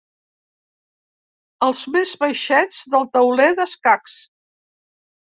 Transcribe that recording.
Els més baixets del tauler d'escacs.